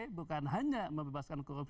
pada tugas partai bukan hanya membebaskan korupsi